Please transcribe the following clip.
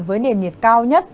với nền nhiệt cao nhất